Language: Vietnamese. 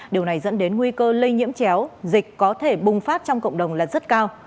điều này dẫn đến nguy cơ lây nhiễm chéo dịch có thể bùng phát trong cộng đồng là rất cao